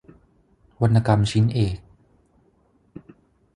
วรรณกรรมชิ้นเอก